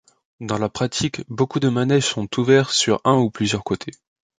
Dans la pratique, beaucoup de manèges sont ouverts sur un ou plusieurs côtés.